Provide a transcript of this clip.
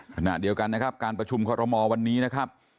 ขณะเดียวกันนะครับการประชุมคอรมอลวันนี้นะครับ